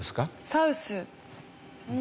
サウス南。